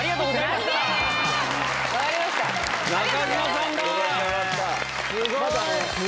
すごい。